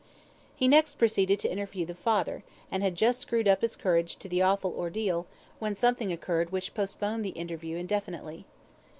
He next proceeded to interview the father, and had just screwed up his courage to the awful ordeal, when something occurred which postponed the interview indefinitely.